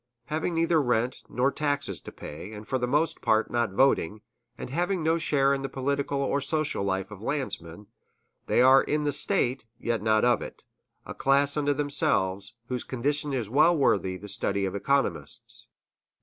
Having neither rent nor taxes to pay, and for the most part not voting, and having no share in the political or social life of landsmen, they are in the State, yet not of it, a class unto themselves, whose condition is well worthy the study of economists.